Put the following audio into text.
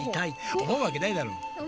おもうわけないだろ！